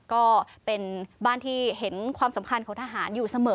ก็เป็นบ้านที่เห็นความสำคัญของทหารอยู่เสมอ